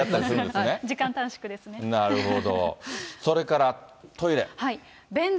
それからトイレ。